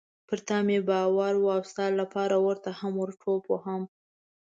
پر تا مې باور و او ستا لپاره اور ته هم ورټوپ وهم.